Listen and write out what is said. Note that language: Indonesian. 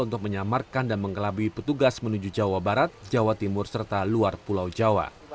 untuk menyamarkan dan mengelabui petugas menuju jawa barat jawa timur serta luar pulau jawa